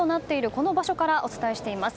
この場所からお伝えしています。